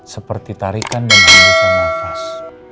seperti tarikan dan hembusan nafas